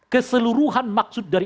keseluruhan maksud dari